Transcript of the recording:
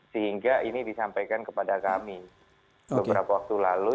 sehingga ini disampaikan kepada kami beberapa waktu lalu